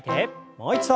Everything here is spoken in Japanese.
もう一度。